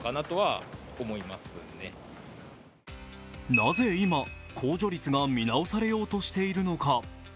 なぜ、今、控除率が見直されようとしているのか。